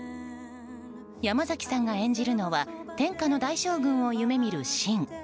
山崎さんが演じるのは天下の大将軍を夢見る信。